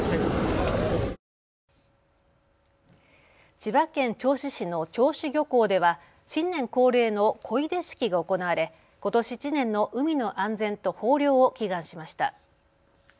千葉県銚子市の銚子漁港では新年恒例の漕出式が行われことし１年の海の安全と豊漁を祈願しました。